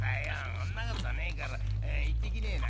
そんなことねえから行ってきねえな」。